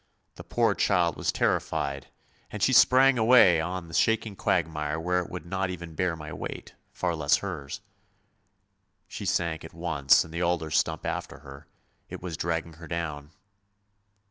The poor child was terrified, and she sprang away on to the shaking quagmire where it would not even bear my weight, far less hers. She sank at once and the alder stump after her, it was dragging her down.